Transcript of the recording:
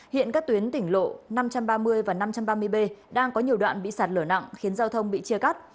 hiện các tuyến tỉnh lộ năm trăm ba mươi và năm trăm ba mươi b đang có nhiều đoạn bị sạt lở nặng khiến giao thông bị chia cắt